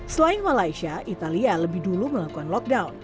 selain malaysia italia lebih dulu melakukan lockdown